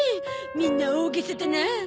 みんな大げさだなあ。